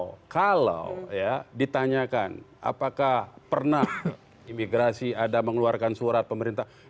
jadi kalau ditanyakan apakah pernah imigrasi ada mengeluarkan surat pemerintah